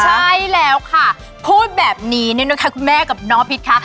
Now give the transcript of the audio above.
ใช่แล้วค่ะพูดแบบนี้เนี่ยนะคะคุณแม่กับน้องพิษค่ะ